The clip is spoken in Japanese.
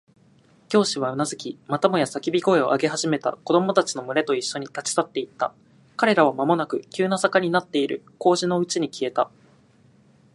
教師はうなずき、またもや叫び声を上げ始めた子供たちのむれといっしょに、立ち去っていった。彼らはまもなく急な坂になっている小路のうちに消えた。